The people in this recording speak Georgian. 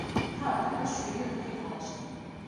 მთავარ დარბაზს შვიდი ოთახი გააჩნია.